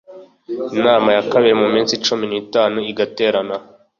inama ya kabiri mu minsi cumi n itanu igaterana